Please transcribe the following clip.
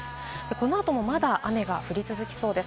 この後もまだ雨が降り続きそうです。